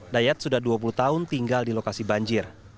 dayat sudah dua puluh tahun tinggal di lokasi banjir